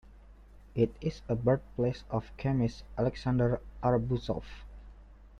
It is a birthplace of chemist Alexander Arbuzov.